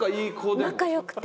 仲良くても。